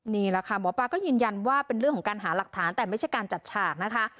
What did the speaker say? นี่แหละค่ะหมอปลาก็ยืนยันว่าเป็นเรื่องของการหาหลักฐานแต่ไม่ใช่การจัดฉากนะคะ